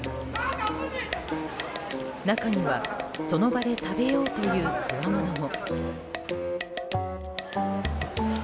中には、その場で食べようというつわものも。